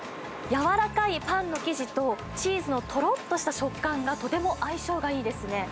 やわらかいぱんのきじとチーズのとろっとした食感がとても相性がいいですね。